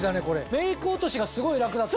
メイク落としがすごい楽だって。